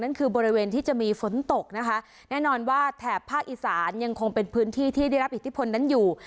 คือบริเวณที่จะมีฝนตกนะคะแน่นอนว่าแถบภาคอีสานยังคงเป็นพื้นที่ที่ได้รับอิทธิพลนั้นอยู่